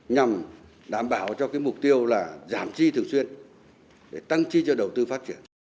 nhằm đảm bảo cho mục tiêu là giảm chi thường xuyên để tăng chi cho đầu tư phát triển